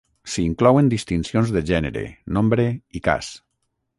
S'inclouen distincions de gènere, nombre i cas.